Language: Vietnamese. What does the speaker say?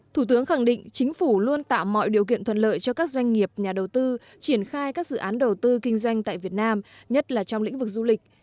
thủ tướng khẳng định chính phủ luôn tạo mọi điều kiện thuận lợi cho các doanh nghiệp nhà đầu tư triển khai các dự án đầu tư kinh doanh tại việt nam nhất là trong lĩnh vực du lịch